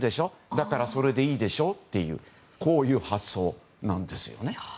だから、それでいいでしょってこういう発想なんですよね。